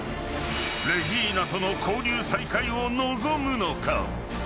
［レジーナとの交流再開を望むのか？］